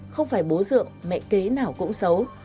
không phải bố dượng mẹ kế nào cũng xấu